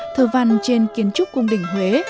thơ văn trên kiến trúc cung đỉnh huế